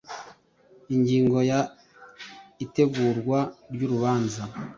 Ingingo ya itegurwa ry urubanza